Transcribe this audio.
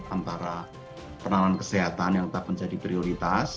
antara penanganan kesehatan yang tetap menjadi prioritas